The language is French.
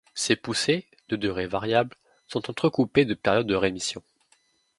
Ces poussées, de durée variable, sont entrecoupées de périodes de rémission.